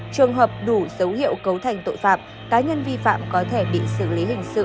trường hợp đủ dấu hiệu cấu thành tội phạm cá nhân vi phạm có thể bị xử lý hình sự